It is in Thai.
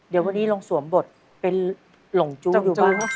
เดี๋ยวรงสวมบทเป็นลงจู้ดูมั้ง